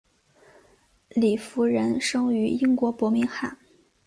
李福仁生于英国伯明翰。